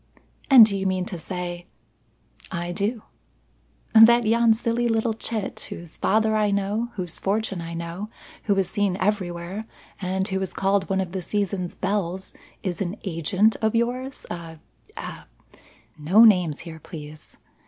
"And do you mean to say " "I do " "That yon silly little chit, whose father I know, whose fortune I know, who is seen everywhere, and who is called one of the season's belles is an agent of yours; a a " "No names here, please.